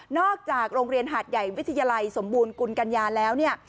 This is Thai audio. อกจากโรงเรียนหาดใหญ่วิทยาลัยสมบูรณกุลกัญญาแล้วเนี่ย